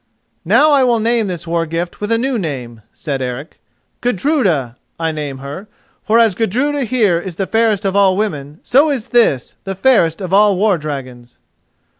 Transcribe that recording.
"Now I will name this war gift with a new name," said Eric. "'Gudruda,' I name her: for, as Gudruda here is the fairest of all women, so is this the fairest of all war dragons."